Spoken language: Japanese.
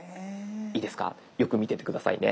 いいですかよく見てて下さいね。